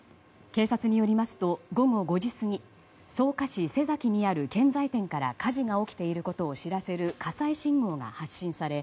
警察によりますと午後５時過ぎ、草加市瀬崎にある建材店から火事が起きていることを知らせる火災信号が発信され